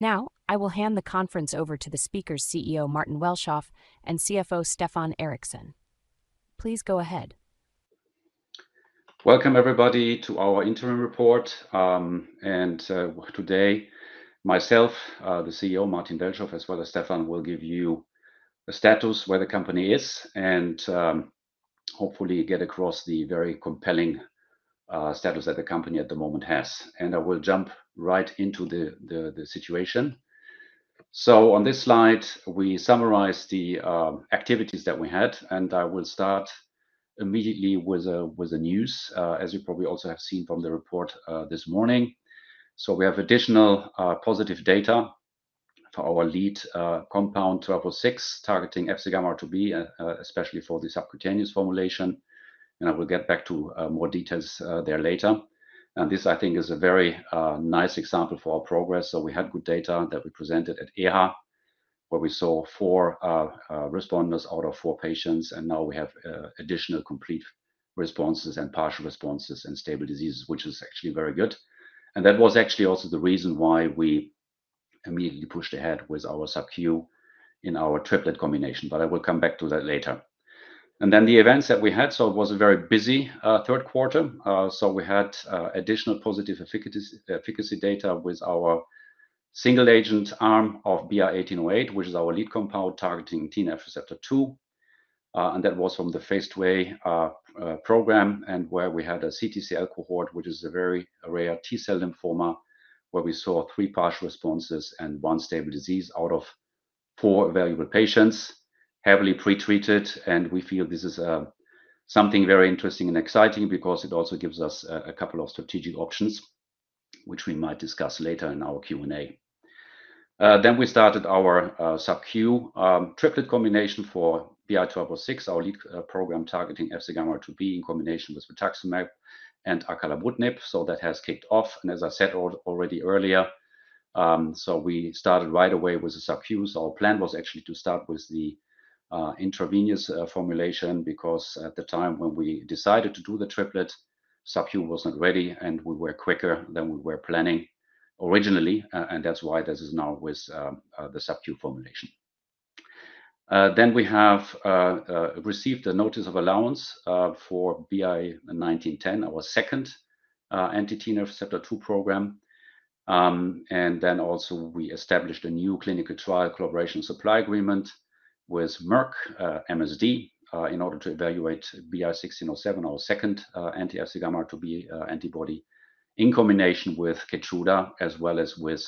Now, I will hand the conference over to the speakers, CEO Martin Welschof and CFO Stefan Ericsson. Please go ahead. Welcome, everybody, to our interim report, and today, myself, the CEO Martin Welschof, as well as Stefan, will give you a status where the company is and hopefully get across the very compelling status that the company at the moment has, and I will jump right into the situation, so on this slide, we summarize the activities that we had, and I will start immediately with a news, as you probably also have seen from the report this morning, so we have additional positive data for our lead compound 1206 targeting FcgammaRIIB, especially for the subcutaneous formulation, and I will get back to more details there later, and this, I think, is a very nice example for our progress, so we had good data that we presented at EHA, where we saw four responders out of four patients. And now we have additional complete responses and partial responses and stable diseases, which is actually very good. And that was actually also the reason why we immediately pushed ahead with our subQ in our triplet combination. But I will come back to that later. And then the events that we had. So it was a very busy third quarter, so we had additional positive efficacy data with our single agent arm of BI-1808, which is our lead compound targeting TNF receptor 2. And that was from the phase 1/2 program, and where we had a CTCL cohort, which is a very rare T-cell lymphoma, where we saw three partial responses and one stable disease out of four evaluable patients, heavily pretreated. And we feel this is something very interesting and exciting because it also gives us a couple of strategic options, which we might discuss later in our Q&A. Then we started our subQ triplet combination for BI-1206, our lead program targeting FcgammaRIIB in combination with rituximab and acalabrutinib. So, that has kicked off. And as I said already earlier, so we started right away with the subQ. So, our plan was actually to start with the intravenous formulation because at the time when we decided to do the triplet, subQ was not ready, and we were quicker than we were planning originally. And that's why this is now with the subQ formulation. Then we have received a notice of allowance for BI-1910, our second anti-TNF receptor 2 program. And then also we established a new clinical trial collaboration supply agreement with Merck, MSD, in order to evaluate BI-1607, our second anti-FcgammaRIIB antibody in combination with Keytruda as well as with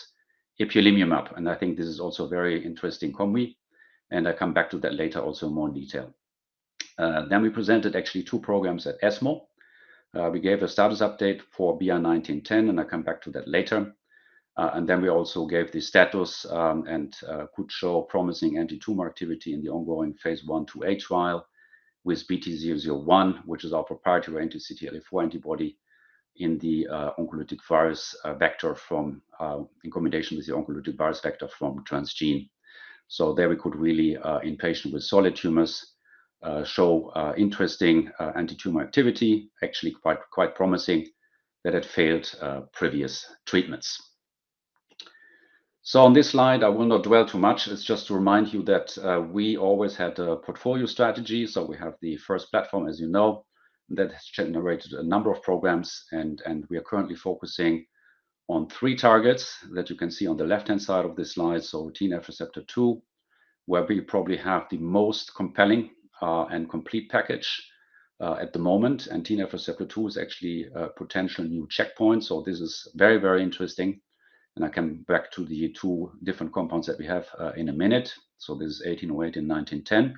ipilimumab. And I think this is also a very interesting combi. And I come back to that later also in more detail. Then we presented actually two programs at ESMO. We gave a status update for BI-1910, and I come back to that later. And then we also gave the status, and could show promising anti-tumor activity in the ongoing phase 1-2A trial with BT-001, which is our proprietary anti-CTLA-4 antibody in the oncolytic virus vector from, in combination with the oncolytic virus vector from Transgene. So, there we could really in patients with solid tumors show interesting anti-tumor activity, actually quite quite promising that had failed previous treatments. On this slide, I will not dwell too much. It's just to remind you that we always had a portfolio strategy. We have the first platform, as you know, that has generated a number of programs. And we are currently focusing on three targets that you can see on the left-hand side of this slide. TNF receptor 2, where we probably have the most compelling and complete package at the moment. And TNF receptor 2 is actually a potential new checkpoint. This is very, very interesting. And I come back to the two different compounds that we have in a minute. This is 1808 and 1910.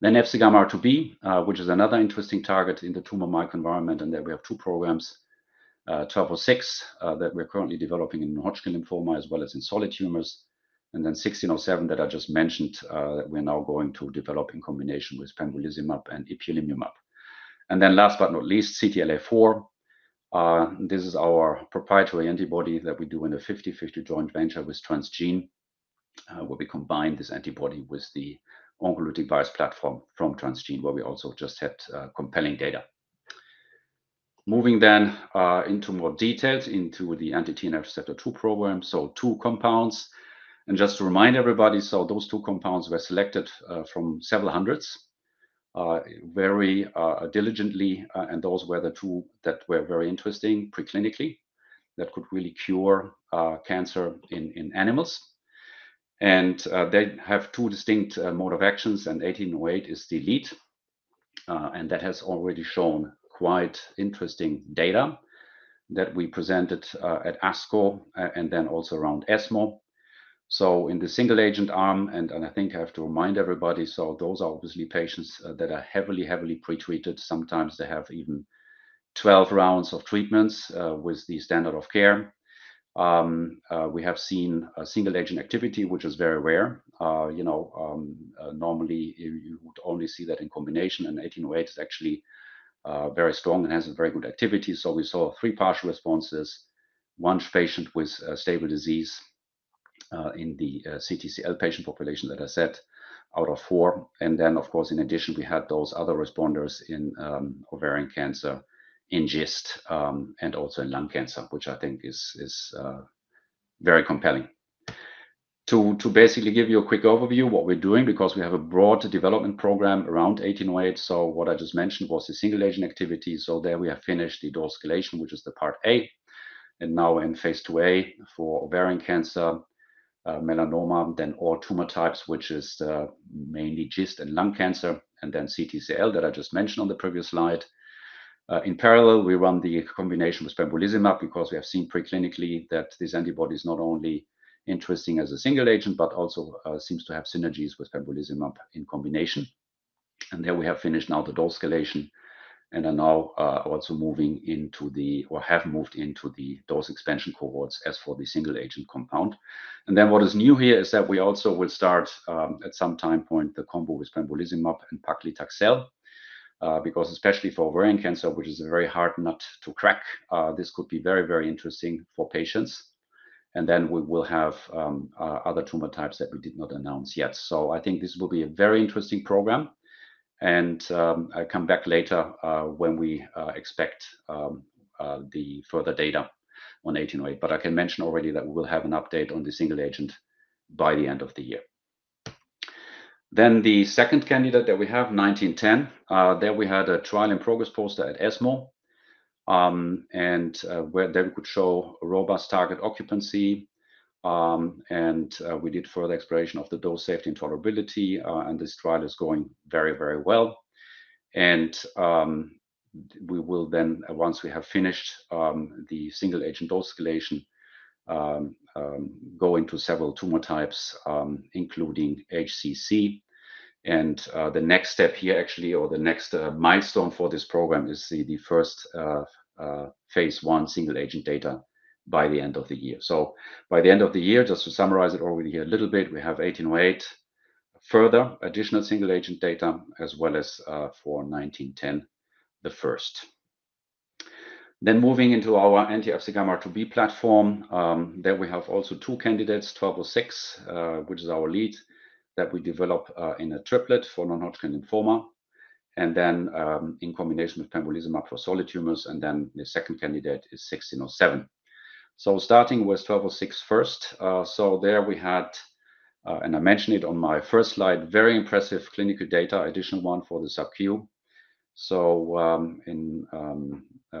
Then FcgammaRIIB, which is another interesting target in the tumor microenvironment. And there we have two programs, 1206, that we're currently developing in Hodgkin lymphoma as well as in solid tumors. And then 1607 that I just mentioned, that we're now going to develop in combination with pembrolizumab and ipilimumab. And then last but not least, CTLA-4. This is our proprietary antibody that we do in a 50/50 joint venture with Transgene, where we combine this antibody with the oncolytic virus platform from Transgene, where we also just had compelling data. Moving then into more details into the anti-TNFR2 program. Two compounds. And just to remind everybody, those two compounds were selected from several hundreds very diligently. And those were the two that were very interesting preclinically that could really cure cancer in animals. And they have two distinct modes of actions. And 1808 is the lead. And that has already shown quite interesting data that we presented at ASCO and then also around ESMO. So, in the single agent arm, and I think I have to remind everybody, so those are obviously patients that are heavily, heavily pretreated. Sometimes they have even 12 rounds of treatments, with the standard of care. We have seen a single agent activity, which is very rare. You know, normally you would only see that in combination. And 1808 is actually very strong and has a very good activity. So, we saw three partial responses, one patient with stable disease, in the CTCL patient population that I said out of four. And then, of course, in addition, we had those other responders in ovarian cancer, in GIST, and also in lung cancer, which I think is very compelling. To basically give you a quick overview of what we're doing, because we have a broad development program around 1808. So, what I just mentioned was the single agent activity. So, there we have finished the dose escalation, which is the part A. And now we're in phase 2A for ovarian cancer, melanoma, then all tumor types, which is mainly GIST and lung cancer, and then CTCL that I just mentioned on the previous slide. In parallel, we run the combination with pembrolizumab because we have seen preclinically that this antibody is not only interesting as a single agent, but also seems to have synergies with pembrolizumab in combination. And there we have finished now the dose escalation. And I'm now also moving into, or have moved into, the dose expansion cohorts as for the single agent compound. And then what is new here is that we also will start at some time point the combo with pembrolizumab and paclitaxel, because especially for ovarian cancer, which is a very hard nut to crack, this could be very, very interesting for patients. And then we will have other tumor types that we did not announce yet. So, I think this will be a very interesting program. And I come back later when we expect the further data on 1808. But I can mention already that we will have an update on the single agent by the end of the year. Then the second candidate that we have, 1910, there we had a trial in progress poster at ESMO, and where then we could show robust target occupancy. And we did further exploration of the dose safety and tolerability. And this trial is going very, very well. We will then, once we have finished, the single agent dose escalation, go into several tumor types, including HCC. The next step here actually, or the next milestone for this program is the first phase one single agent data by the end of the year. By the end of the year, just to summarize it already here a little bit, we have 1808, further additional single agent data, as well as, for 1910, the first. Moving into our anti-FcgammaRIIB platform, there we have also two candidates, 1206, which is our lead that we develop, in a triplet for non-Hodgkin lymphoma. In combination with pembrolizumab for solid tumors. The second candidate is 1607. Starting with 1206 first. There we had, and I mentioned it on my first slide, very impressive clinical data, additional one for the subQ. So in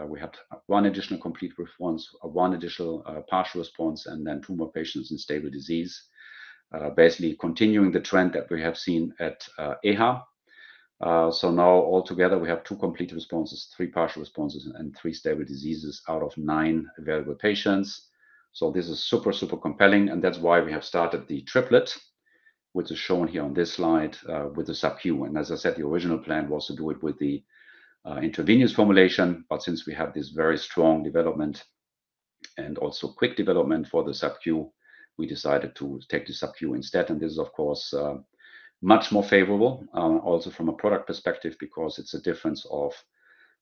we had one additional complete response, one additional partial response, and then two more patients in stable disease, basically continuing the trend that we have seen at EHA. So now altogether we have two complete responses, three partial responses, and three stable diseases out of nine available patients. So this is super super compelling. And that's why we have started the triplet, which is shown here on this slide, with the subQ. And as I said, the original plan was to do it with the intravenous formulation. But since we have this very strong development and also quick development for the subQ, we decided to take the subQ instead. And this is of course much more favorable, also from a product perspective, because it's a difference of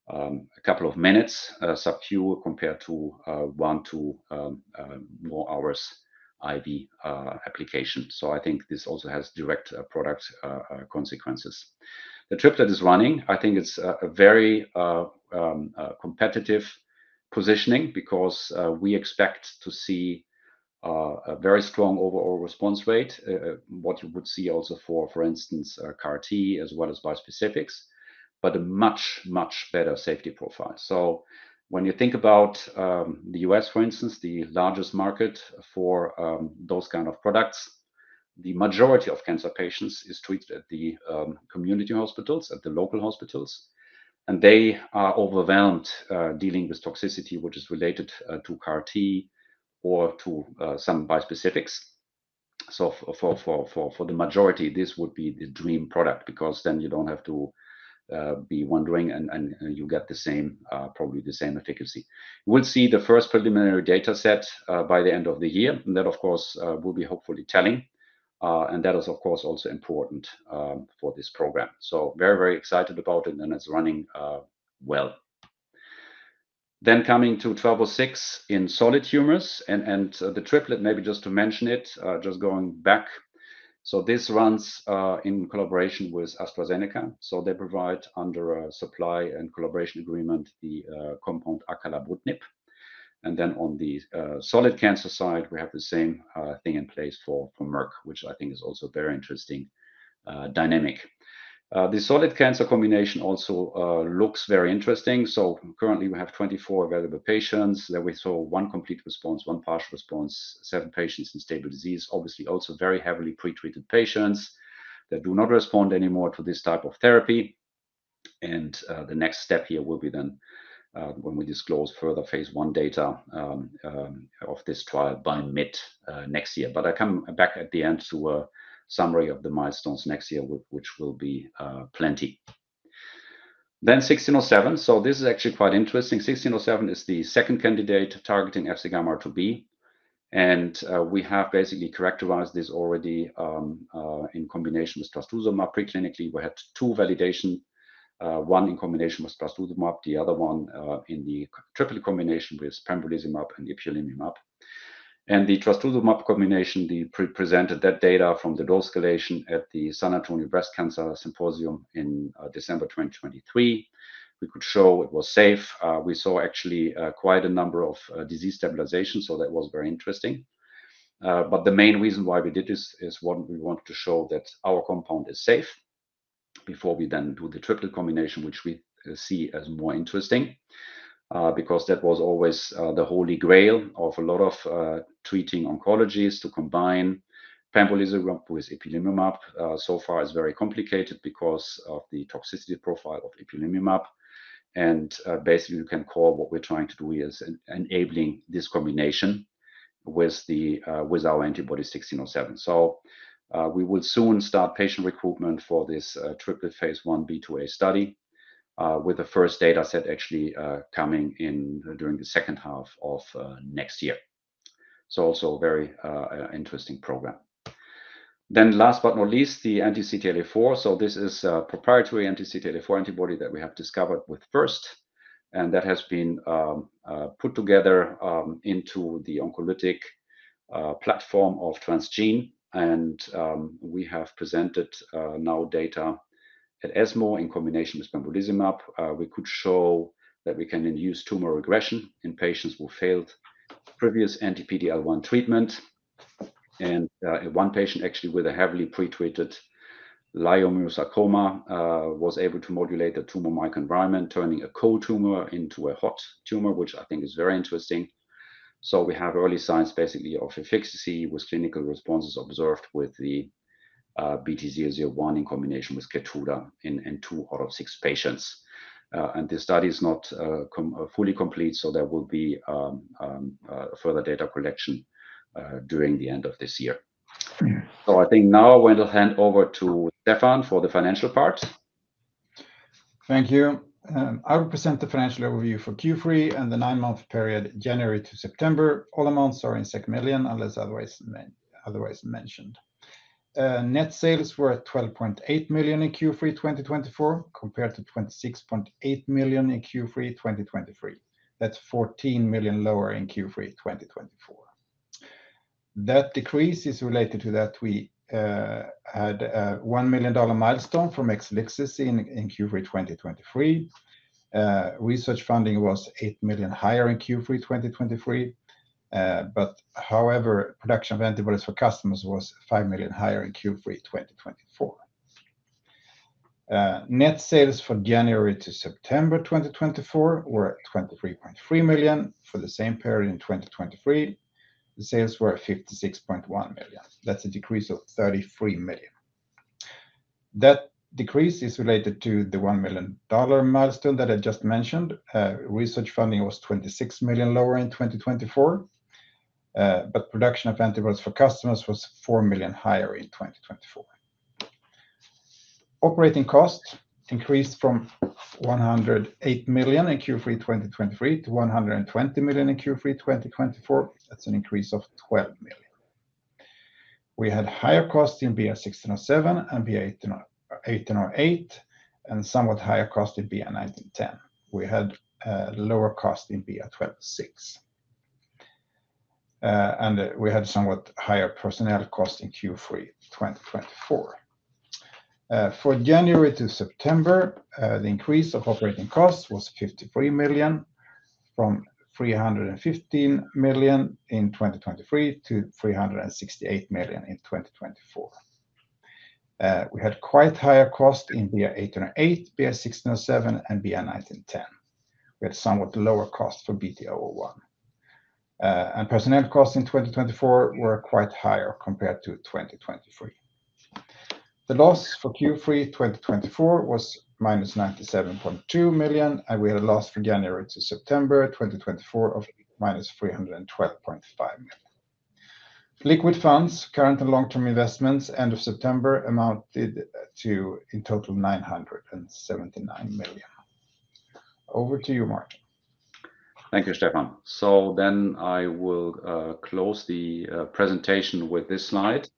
a couple of minutes subQ compared to one to more hours IV application. So I think this also has direct product consequences. The triplet is running. I think it's a very competitive positioning because we expect to see a very strong overall response rate, what you would see also for instance, CAR-T as well as bispecifics, but a much, much better safety profile. So, when you think about the U.S., for instance, the largest market for those kind of products, the majority of cancer patients is treated at the community hospitals, at the local hospitals. And they are overwhelmed dealing with toxicity, which is related to CAR-T or to some bispecifics. So, for the majority, this would be the dream product because then you don't have to be wondering and you get the same, probably the same efficacy. We'll see the first preliminary data set by the end of the year. And that, of course, will be hopefully telling. And that is, of course, also important for this program. So, very, very excited about it. And it's running well. Then coming to 1206 in solid tumors. And the triplet, maybe just to mention it, just going back. So, this runs in collaboration with AstraZeneca. So, they provide under a supply and collaboration agreement the compound acalabrutinib. And then on the solid tumors side, we have the same thing in place for Merck, which I think is also a very interesting dynamic. The solid tumors combination also looks very interesting. So, currently we have 24 available patients that we saw one complete response, one partial response, seven patients in stable disease, obviously also very heavily pretreated patients that do not respond anymore to this type of therapy. The next step here will be then, when we disclose further phase 1 data of this trial by mid next year. I come back at the end to a summary of the milestones next year, which will be plenty. 1607. This is actually quite interesting. 1607 is the second candidate targeting FcgammaRIIB. We have basically characterized this already, in combination with trastuzumab preclinically. We had two validations, one in combination with trastuzumab, the other one, in the triple combination with pembrolizumab and ipilimumab. The trastuzumab combination, we presented that data from the dose escalation at the San Antonio Breast Cancer Symposium in December 2023. We could show it was safe. We saw actually quite a number of disease stabilization. That was very interesting. But the main reason why we did this is what we wanted to show that our compound is safe before we then do the triple combination, which we see as more interesting, because that was always the holy grail of a lot of treating oncologies to combine pembrolizumab with ipilimumab. So far it's very complicated because of the toxicity profile of ipilimumab. And basically you can call what we're trying to do here is enabling this combination with the with our antibody 1607. So we will soon start patient recruitment for this triple phase 1b/2a study, with the first data set actually coming in during the second half of next year. So also a very interesting program. Then last but not least, the anti-CTLA-4. So this is a proprietary anti-CTLA-4 antibody that we have discovered with F.I.R.S.T. And that has been put together into the oncolytic platform of Transgene. We have presented now data at ESMO in combination with pembrolizumab. We could show that we can induce tumor regression in patients who failed previous anti-PD-L1 treatment. One patient actually with a heavily pretreated leiomyosarcoma was able to modulate the tumor microenvironment, turning a cold tumor into a hot tumor, which I think is very interesting. We have early signs basically of efficacy with clinical responses observed with the BT-001 in combination with Keytruda in two out of six patients. This study is not fully complete. There will be further data collection during the end of this year. I think now I want to hand over to Stefan for the financial part. Thank you. I will present the financial overview for Q3 and the nine-month period, January to September. All amounts are in million unless otherwise mentioned. Net sales were at 12.8 million in Q3 2024 compared to 26.8 million in Q3 2023. That's 14 million lower in Q3 2024. That decrease is related to that we had a $1 million milestone for Exelixis in Q3 2023. Research funding was 8 million higher in Q3 2023. But however, production of antibodies for customers was 5 million higher in Q3 2024. Net sales for January to September 2024 were 23.3 million for the same period in 2023. The sales were 56.1 million. That's a decrease of 33 million. That decrease is related to the $1 million milestone that I just mentioned. Research funding was 26 million lower in 2024. But production of antibodies for customers was 4 million higher in 2024. Operating cost increased from 108 million in Q3 2023 to 120 million in Q3 2024. That's an increase of 12 million. We had higher cost in BI-1607 and BI-1808 and somewhat higher cost in BI-1910. We had lower cost in BI-1206. And we had somewhat higher personnel cost in Q3 2024. For January to September, the increase of operating costs was 53 million from 315 million in 2023 to 368 million in 2024. We had quite higher cost in BI-1808, BI-1607, and BI-1910. We had somewhat lower cost for BT-001. And personnel costs in 2024 were quite higher compared to 2023. The loss for Q3 2024 was minus 97.2 million. And we had a loss for January to September 2024 of minus 312.5 million. Liquid funds, current and long-term investments, end of September amounted to in total 979 million. Over to you, Martin. Thank you, Stefan. So then I will close the presentation with this slide.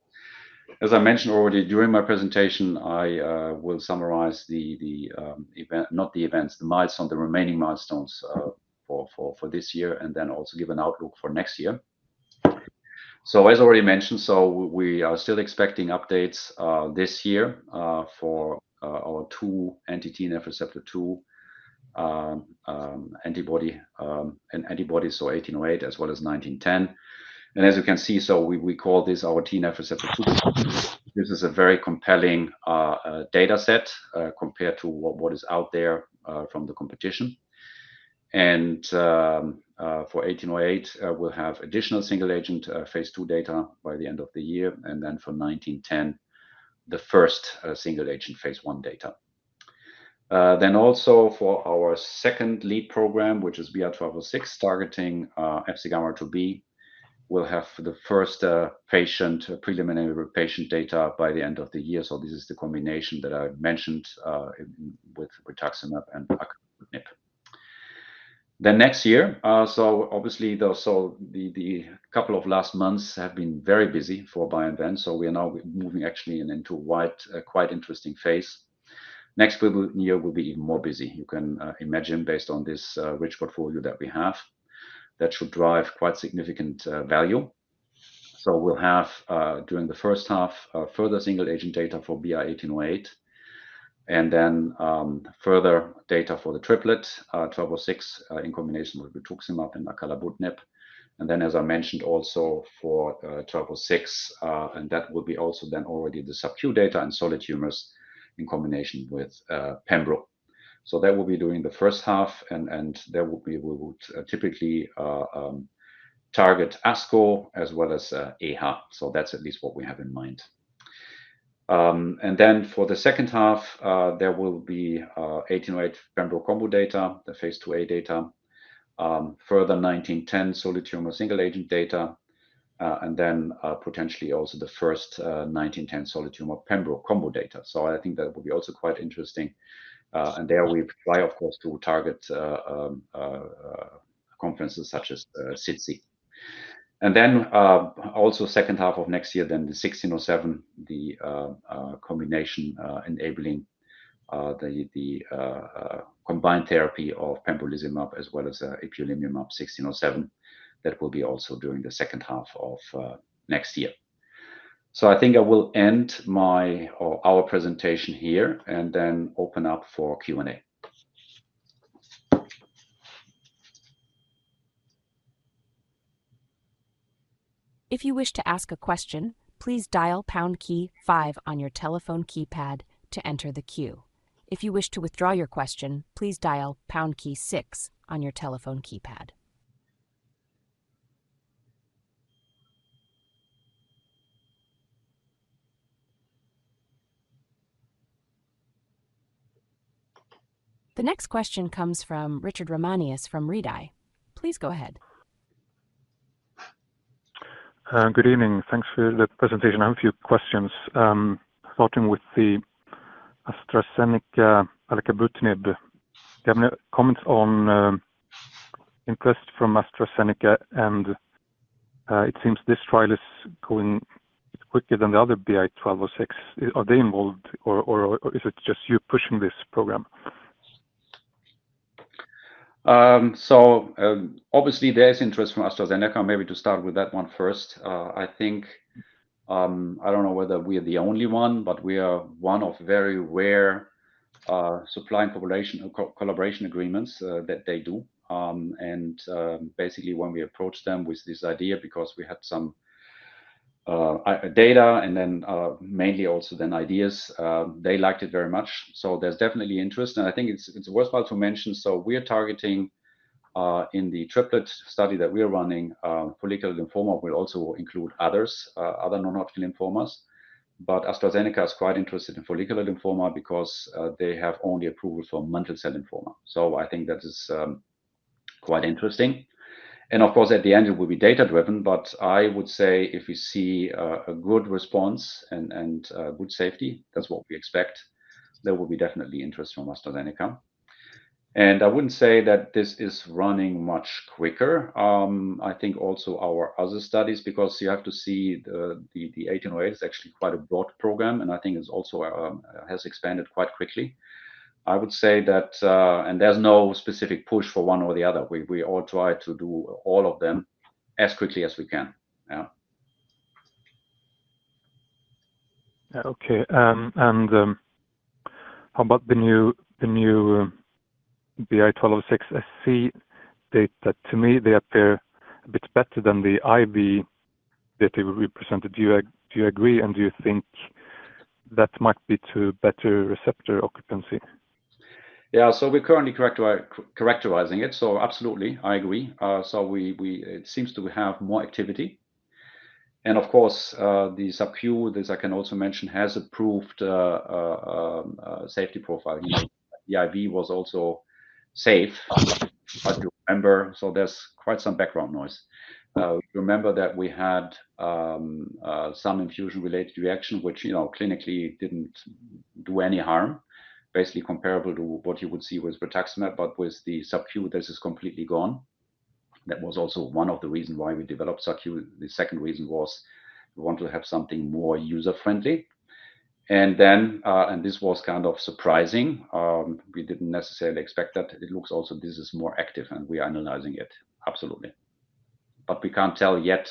As I mentioned already during my presentation, I will summarize the event, not the events, the milestone, the remaining milestones for this year and then also give an outlook for next year. As already mentioned, we are still expecting updates this year for our two anti-TNF receptor 2 antibodies, so 1808 as well as 1910. As you can see, we call this our TNF receptor 2. This is a very compelling data set compared to what is out there from the competition. For 1808, we will have additional single agent phase two data by the end of the year. Then for 1910, the first single agent phase one data. Then also for our second lead program, which is BI-1206 targeting FcgammaRIIB, we will have the first preliminary patient data by the end of the year. This is the combination that I mentioned, with rituximab and acalabrutinib. Next year, so obviously though, so the couple of last months have been very busy for BioInvent. We are now moving actually into a quite, quite interesting phase. Next year will be even more busy. You can imagine based on this rich portfolio that we have that should drive quite significant value. We'll have, during the first half, further single agent data for BR1808. Then, further data for the triplet, 1206, in combination with rituximab and acalabrutinib. As I mentioned, also for 1206, and that will be also then already the subQ data and solid tumors in combination with Pembro. That will be during the first half. There will be. We would typically target ASCO as well as EHA. That's at least what we have in mind. Then for the second half, there will be BI-1808 pembrolizumab combo data, the phase 2a data, further BI-1910 solid tumor single agent data, and then potentially also the first BI-1910 solid tumor pembrolizumab combo data. So, I think that will be also quite interesting. There we apply, of course, to target conferences such as SITC. Then also second half of next year, the BI-1607 combination enabling the combined therapy of pembrolizumab as well as ipilimumab BI-1607. That will be also during the second half of next year. So, I think I will end my or our presentation here and then open up for Q&A. If you wish to ask a question, please dial pound key five on your telephone keypad to enter the queue. If you wish to withdraw your question, please dial pound key six on your telephone keypad. The next question comes from Richard Ramanius from Redeye. Please go ahead. Good evening. Thanks for the presentation. I have a few questions. Starting with the AstraZeneca and acalabrutinib. Do you have any comments on interest from AstraZeneca? And it seems this trial is going quicker than the other BI-1206. Are they involved, or is it just you pushing this program? So, obviously there's interest from AstraZeneca. Maybe to start with that one first. I think, I don't know whether we are the only one, but we are one of very rare supply collaboration agreements that they do. And basically when we approached them with this idea because we had some data and then mainly also then ideas, they liked it very much. So, there's definitely interest. And I think it's worthwhile to mention. So, we are targeting in the triplet study that we are running, follicular lymphoma. We'll also include others, other non-Hodgkin lymphomas, but AstraZeneca is quite interested in follicular lymphoma because they have only approval for mantle cell lymphoma, so I think that is quite interesting, and of course at the end it will be data driven, but I would say if we see a good response and good safety, that's what we expect, there will be definitely interest from AstraZeneca, and I wouldn't say that this is running much quicker. I think also our other studies, because you have to see the 1808 is actually quite a broad program, and I think it's also has expanded quite quickly. I would say that, and there's no specific push for one or the other. We all try to do all of them as quickly as we can. Yeah. Okay. How about the new BI-1206 SC data? To me, they appear a bit better than the IV data we presented. Do you agree? Do you think that might be to better receptor occupancy? Yeah. We're currently characterizing it. Absolutely, I agree. It seems to have more activity. Of course, the subQ, as I can also mention, has approved safety profile. The IV was also safe, as you remember. There's quite some background noise. Remember that we had some infusion-related reaction, which, you know, clinically didn't do any harm, basically comparable to what you would see with rituximab, but with the subQ, this is completely gone. That was also one of the reasons why we developed subQ. The second reason was we want to have something more user-friendly. Then, this was kind of surprising. We didn't necessarily expect that. It looks also this is more active and we are analyzing it. Absolutely. But we can't tell yet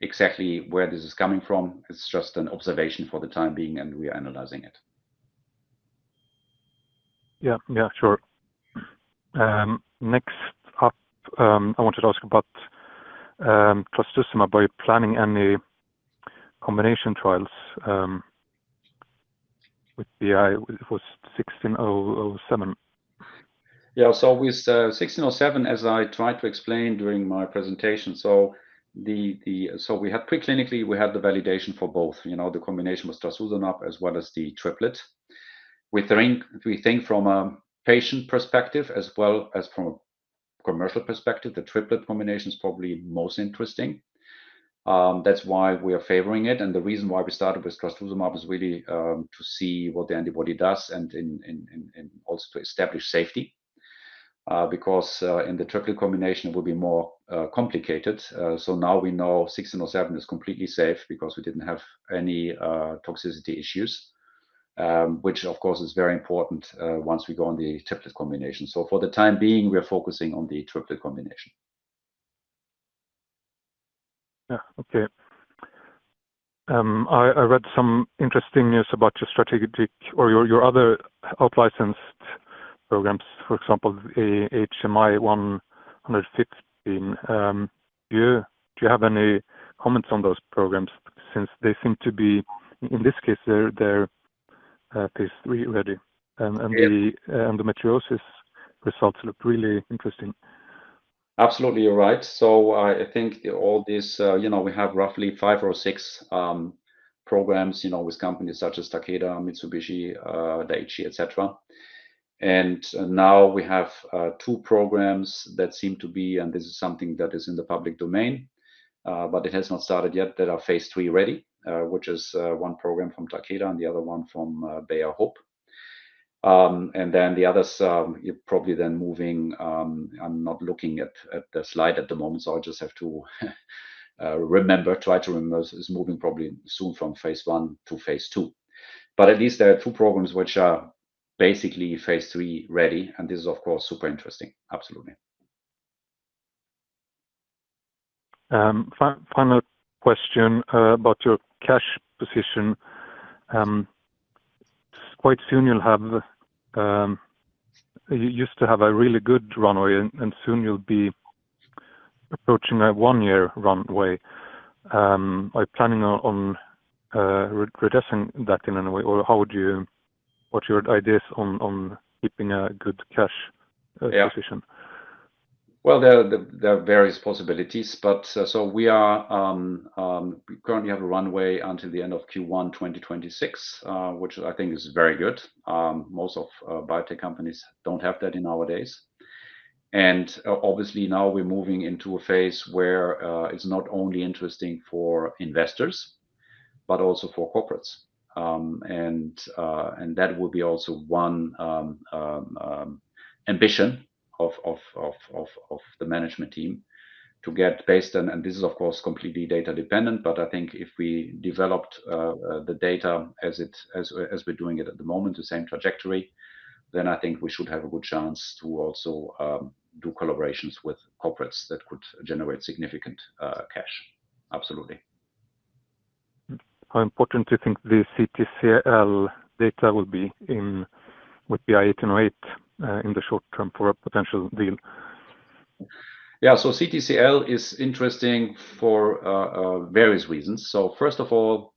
exactly where this is coming from. It's just an observation for the time being and we are analyzing it. Yeah. Yeah. Sure. Next up, I wanted to ask about trastuzumab. Are you planning any combination trials with BI-1607? Yeah. So, with 1607, as I tried to explain during my presentation, so we had preclinically, we had the validation for both. You know, the combination was trastuzumab as well as the triplet. We think from a patient perspective as well as from a commercial perspective, the triplet combination is probably most interesting. That's why we are favoring it, and the reason why we started with trastuzumab is really to see what the antibody does and also to establish safety. Because in the triplet combination, it will be more complicated. So, now we know 1607 is completely safe because we didn't have any toxicity issues, which of course is very important once we go on the triplet combination. So, for the time being, we are focusing on the triplet combination. Yeah. Okay. I read some interesting news about your strategic or your other out-licensed programs, for example, the HMI-115. Do you have any comments on those programs since they seem to be, in this case, they're phase three already? And the endometriosis results look really interesting. Absolutely. You're right. So, I think all these, you know, we have roughly five or six programs, you know, with companies such as Takeda, Mitsubishi, Daiichi, etc. Now we have two programs that seem to be, and this is something that is in the public domain, but it has not started yet, that are phase three ready, which is one program from Takeda and the other one from Bayer Medicine. And then the others, you're probably then moving, I'm not looking at the slide at the moment, so I'll just have to remember, is moving probably soon from phase one to phase two. But at least there are two programs which are basically phase three ready. And this is of course super interesting. Absolutely. Final question about your cash position. Quite soon you'll have, you used to have a really good runway and soon you'll be approaching a one-year runway. Are you planning on redressing that in any way? Or how would you, what's your ideas on keeping a good cash position? Yeah. Well, there are various possibilities, but we currently have a runway until the end of Q1 2026, which I think is very good. Most biotech companies don't have that these days. Obviously now we're moving into a phase where it's not only interesting for investors, but also for corporates. That will be also one ambition of the management team to get based on, and this is of course completely data dependent, but I think if we develop the data as we're doing it at the moment, the same trajectory, then I think we should have a good chance to also do collaborations with corporates that could generate significant cash. Absolutely. How important do you think the CTCL data will be with BI-1808 in the short term for a potential deal? Yeah. So, CTCL is interesting for various reasons. First of all,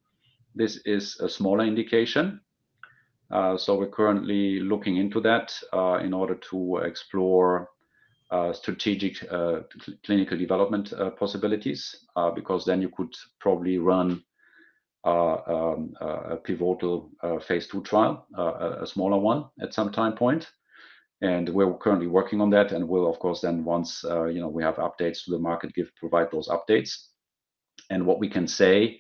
this is a smaller indication. We're currently looking into that in order to explore strategic clinical development possibilities because then you could probably run a pivotal phase two trial, a smaller one at some time point. We're currently working on that. We'll of course then, once you know we have updates to the market, give, provide those updates. What we can say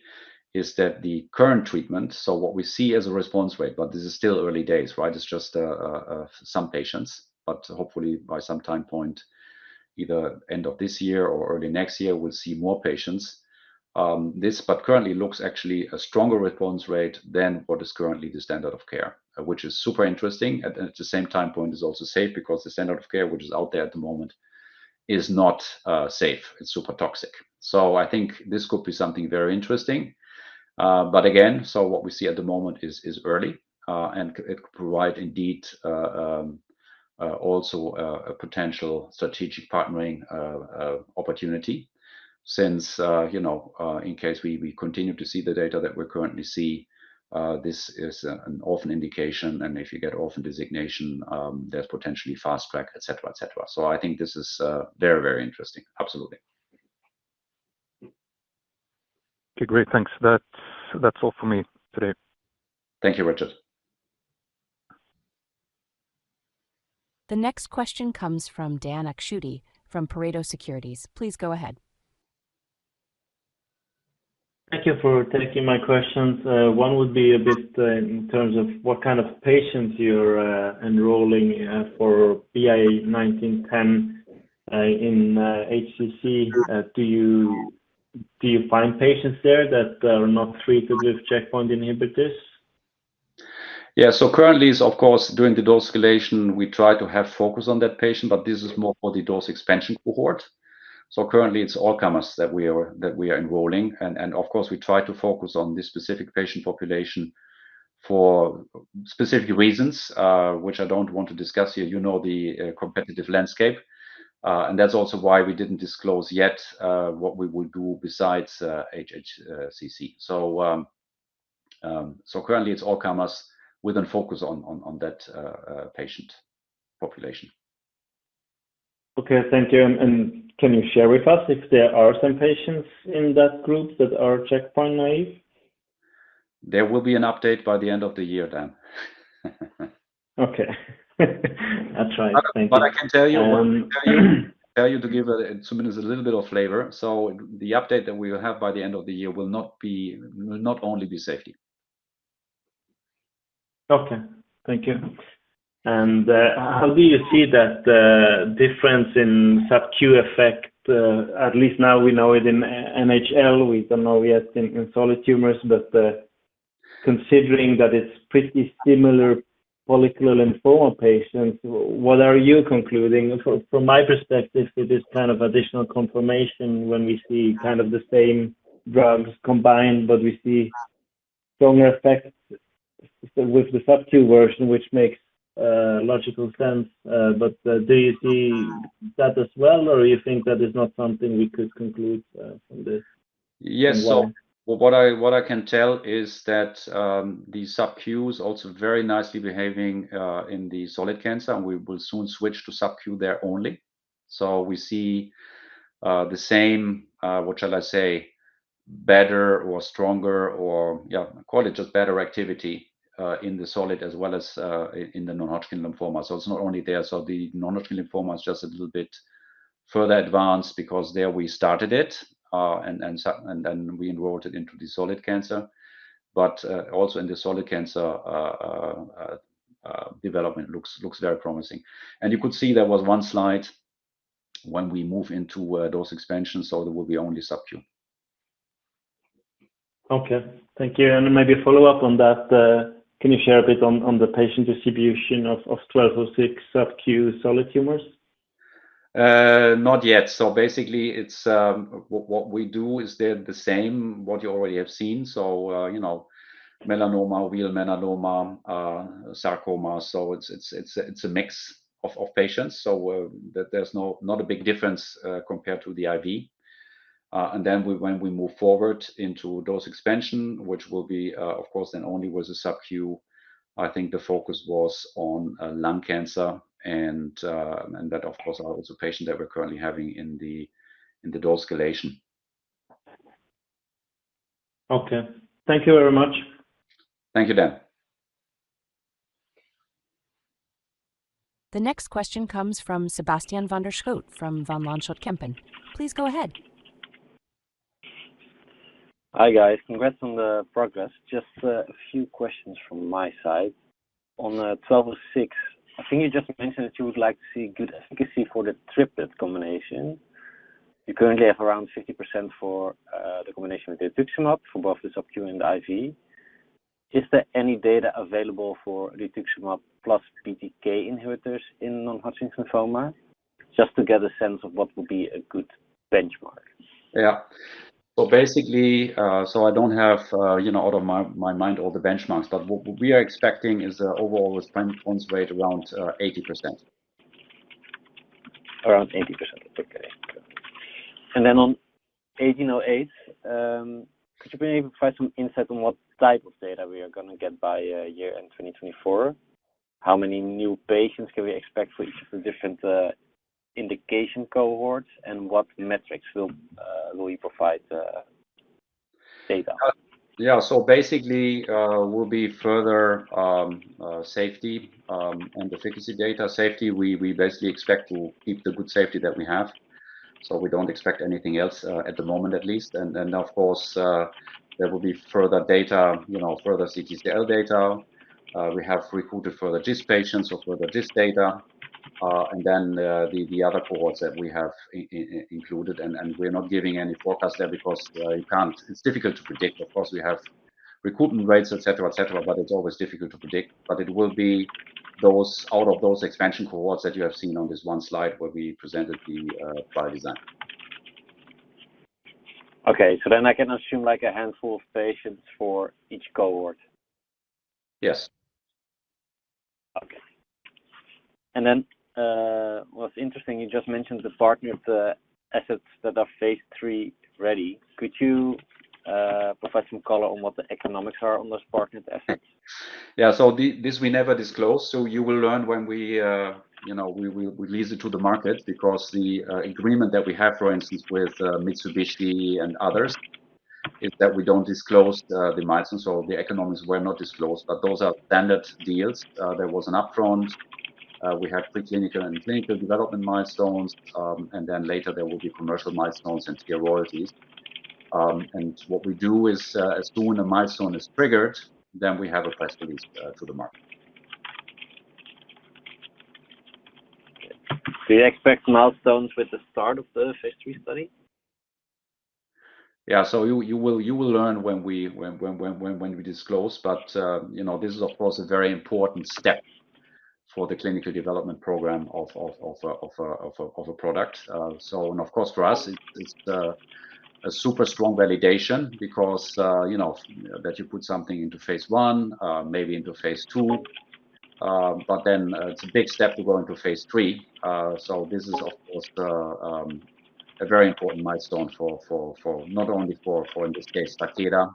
is that the current treatment, so what we see as a response rate, but this is still early days, right? It's just some patients, but hopefully by some time point, either end of this year or early next year, we'll see more patients. This, but currently looks actually a stronger response rate than what is currently the standard of care, which is super interesting. At the same time point is also safe because the standard of care, which is out there at the moment, is not safe. It's super toxic. So, I think this could be something very interesting. But again, so what we see at the moment is early and it could provide indeed also a potential strategic partnering opportunity since, you know, in case we continue to see the data that we currently see, this is an orphan indication. And if you get orphan designation, there's potentially fast track, etc., etc. So, I think this is very, very interesting. Absolutely. Okay. Great. Thanks. That's all for me today. Thank you, Richard. The next question comes from Dan Akschuti from Pareto Securities. Please go ahead. Thank you for taking my questions. One would be a bit in terms of what kind of patients you're enrolling for BI-1910 in HCC. Do you find patients there that are not treated with checkpoint inhibitors? Yeah. Currently, of course, during the dose escalation, we try to have focus on that patient, but this is more for the dose expansion cohort. Currently, it's all comers that we are enrolling. Of course, we try to focus on this specific patient population for specific reasons, which I don't want to discuss here. You know the competitive landscape. That's also why we didn't disclose yet what we will do besides HCC. Currently, it's all comers with a focus on that patient population. Okay. Thank you. Can you share with us if there are some patients in that group that are checkpoint naive? There will be an update by the end of the year then. Okay. That's right. Thank you. But I can tell you to give it a little bit of flavor. So, the update that we will have by the end of the year will not only be safety. Okay. Thank you. And how do you see that difference in subQ effect? At least now we know it in NHL. We don't know yet in solid tumors, but considering that it's pretty similar follicular lymphoma patients, what are you concluding? From my perspective, it is kind of additional confirmation when we see kind of the same drugs combined, but we see stronger effects with the subQ version, which makes logical sense. But do you see that as well? Or you think that is not something we could conclude from this? Yes. So, what I can tell is that the subQ is also very nicely behaving in the solid tumors. And we will soon switch to subQ there only. So, we see the same, what shall I say, better or stronger or, yeah, call it just better activity in the solid as well as in the non-Hodgkin lymphoma. So, it's not only there. So, the non-Hodgkin lymphoma is just a little bit further advanced because there we started it and then we enrolled it into the solid cancer. But also in the solid cancer development looks very promising. And you could see there was one slide when we move into dose expansion. So, there will be only subQ. Okay. Thank you. And maybe follow up on that. Can you share a bit on the patient distribution of 1206 subQ solid tumors? Not yet. So, basically what we do is the same, what you already have seen. So, you know, melanoma, uveal melanoma, sarcoma. So, it's a mix of patients. There's not a big difference compared to the IV. And then when we move forward into dose expansion, which will be of course then only with the subQ, I think the focus was on lung cancer. And that of course are also patients that we're currently having in the dose escalation. Okay. Thank you very much. Thank you, Dan. The next question comes from Sebastiaan van der Schoot from Van Lanschot Kempen. Please go ahead. Hi guys. Congrats on the progress. Just a few questions from my side. On 1206, I think you just mentioned that you would like to see good efficacy for the triplet combination. You currently have around 50% for the combination with rituximab for both the subQ and the IV. Is there any data available for rituximab plus BTK inhibitors in non-Hodgkin lymphoma? Just to get a sense of what would be a good benchmark. Yeah. Basically, so I don't have out of my mind all the benchmarks, but what we are expecting is overall response rate around 80%. Around 80%. Okay. Then on 1808, could you maybe provide some insight on what type of data we are going to get by year end 2024? How many new patients can we expect for each of the different indication cohorts? And what metrics will you provide data? Yeah. Basically will be further safety and efficacy data. Safety, we basically expect to keep the good safety that we have. So, we don't expect anything else at the moment at least. And of course, there will be further data, you know, further CTCL data. We have recruited further GIST patients or further GIST data. And then the other cohorts that we have included. We're not giving any forecast there because you can't, it's difficult to predict. Of course, we have recruitment rates, etc., etc., but it's always difficult to predict. It will be those out of those expansion cohorts that you have seen on this one slide where we presented the prior design. Okay. Then I can assume like a handful of patients for each cohort. Yes. Okay. Then what's interesting, you just mentioned the partnered assets that are phase three ready. Could you provide some color on what the economics are on those partnered assets? Yeah. This we never disclose. You will learn when we, you know, release it to the market because the agreement that we have, for instance, with Mitsubishi and others, is that we don't disclose the milestones. The economics were not disclosed, but those are standard deals. There was an upfront. We have preclinical and clinical development milestones, and then later there will be commercial milestones and priorities, and what we do is as soon as a milestone is triggered, then we have a press release to the market. Do you expect milestones with the start of the phase three study? Yeah, so you will learn when we disclose. But you know, this is of course a very important step for the clinical development program of a product, so and of course for us, it's a super strong validation because, you know, that you put something into phase one, maybe into phase two, but then it's a big step to go into phase three. This is of course a very important milestone for not only, in this case, Takeda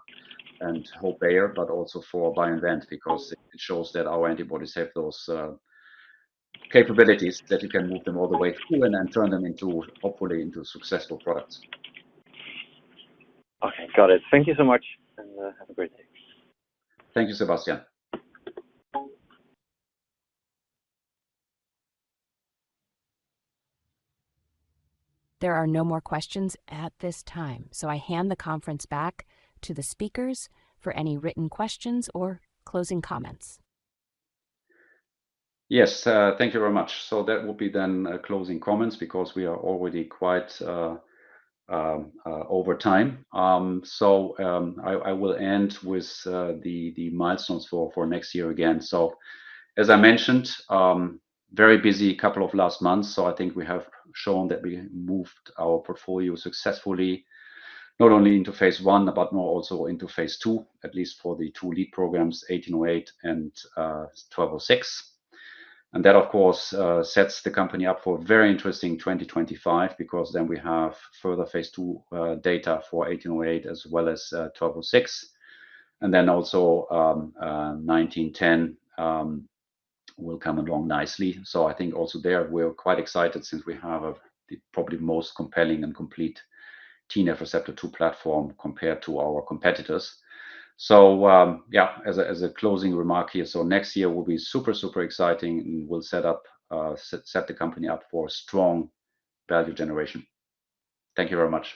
and Hope Medicine, but also for BioInvent because it shows that our antibodies have those capabilities that you can move them all the way through and then turn them into, hopefully, successful products. Okay. Got it. Thank you so much and have a great day. Thank you, Sebastian. There are no more questions at this time. I hand the conference back to the speakers for any written questions or closing comments. Yes. Thank you very much. That will be then closing comments because we are already quite over time. I will end with the milestones for next year again. As I mentioned, very busy couple of last months. I think we have shown that we moved our portfolio successfully, not only into phase one, but more also into phase two, at least for the two lead programs, 1808 and 1206. That of course sets the company up for a very interesting 2025 because then we have further phase two data for 1808 as well as 1206. Then also 1910 will come along nicely. I think also there we're quite excited since we have probably the most compelling and complete TNF receptor II platform compared to our competitors. Yeah, as a closing remark here, next year will be super, super exciting and will set up, set the company up for strong value generation. Thank you very much.